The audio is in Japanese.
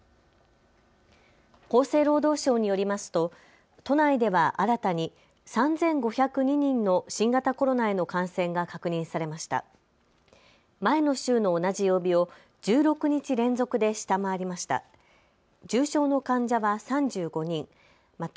厚生労働省によりますと都内では新たに３５０２人の新型コロナへの感染が確認されました。